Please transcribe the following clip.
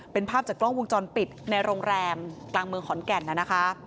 เป็นภาพจากกล้องวงจรปิดในโรงแรมกลางเมืองขอนแก่นนะคะ